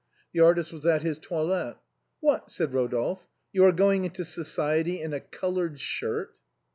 The artist was at his toilet. "What!" said Rodolphe, "you are going into society in a colored shirt